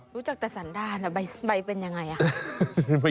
รู้จักแต่สันดาลใบไอเป็นยังไง